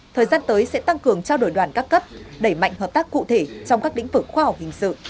thời gian tới sẽ tăng cường trao đổi đoàn các cấp đẩy mạnh hợp tác cụ thể trong các lĩnh vực khoa học hình sự